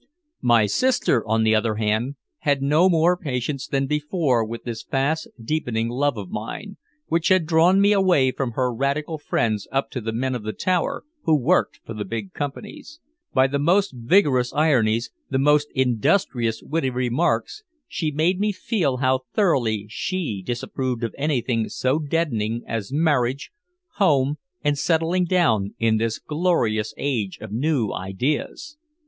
My sister, on the other hand, had no more patience than before with this fast deepening love of mine, which had drawn me away from her radical friends up to the men of the tower who worked for the big companies. By the most vigorous ironies, the most industrious witty remarks, she made me feel how thoroughly she disapproved of anything so deadening as marriage, home and settling down, in this glorious age of new ideas.